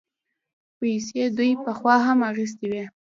پيسې دوی پخوا هم اخيستې وې.